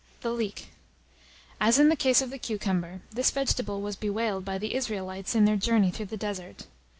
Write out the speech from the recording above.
] THE LEEK. As in the case of the cucumber, this vegetable was bewailed by the Israelites in their journey through the desert.